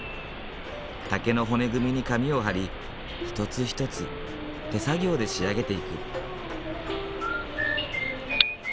竹の骨組みに紙を貼り一つ一つ手作業で仕上げていく。